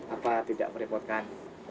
apa tidak merepotkan